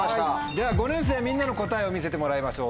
では５年生みんなの答えを見せてもらいましょう。